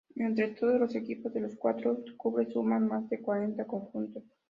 Entre todos los equipos de los cuatro clubes suman más de cuarenta conjuntos.